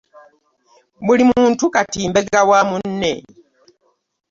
Buli muntu kati mbega wa munne.